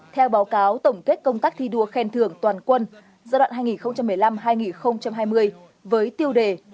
theo báo cáo tổng kết công tác thi đua khen thưởng toàn quân giai đoạn hai nghìn một mươi năm hai nghìn hai mươi với tiêu đề